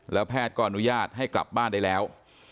แล้วแพทย์ก็อนุญาตให้กลับบ้านได้แล้ว